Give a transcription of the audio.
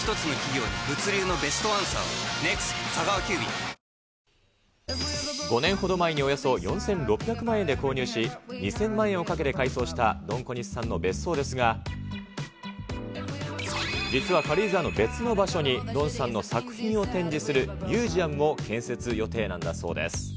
過去最大の補助金も５年ほど前におよそ４６００万円で購入し、２０００万円をかけて改装したドン小西さんの別荘ですが、実は軽井沢の別の場所にドンさんの作品を展示するミュージアムも建設予定なんだそうです。